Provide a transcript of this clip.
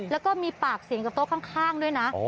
แล้วก็มีปากเสียงกับโต๊ะข้างด้วยนะ